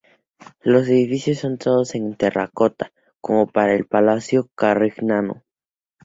Los edificios son todos en terracota, como para el palacio Carignano.